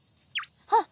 あっ！